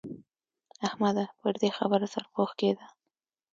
احمده! پر دې خبره سرپوښ کېږده.